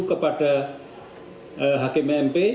kepada hakim mp